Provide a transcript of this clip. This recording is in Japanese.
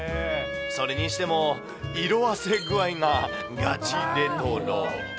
それにしても色あせ具合がガチレトロ。